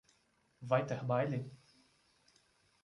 Vai ter baile?